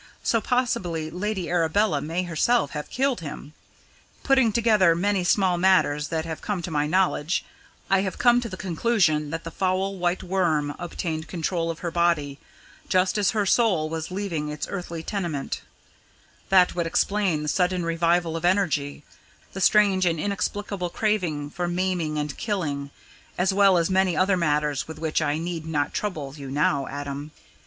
so possibly Lady Arabella may herself have killed him. Putting together many small matters that have come to my knowledge, I have come to the conclusion that the foul White Worm obtained control of her body, just as her soul was leaving its earthly tenement that would explain the sudden revival of energy, the strange and inexplicable craving for maiming and killing, as well as many other matters with which I need not trouble you now, Adam.